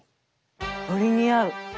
鶏に合う。